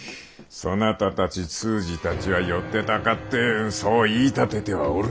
そなたたち通詞たちは寄ってたかってそう言い立ててはおるが。